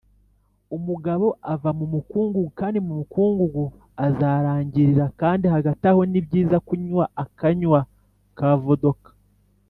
umugabo ava mu mukungugu kandi mu mukungugu azarangirira - kandi hagati aho ni byiza kunywa akanywa ka vodka